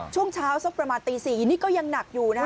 ช่วงเช้าสักประมาณตี๔นี่ก็ยังหนักอยู่นะฮะ